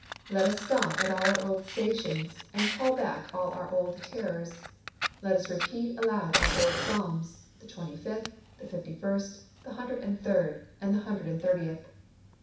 Let us stop at all our old stations and call back all our old terrors; let us repeat aloud our old psalms the twenty fifth, the fifty first, the hundred and third, and the hundred and thirtieth.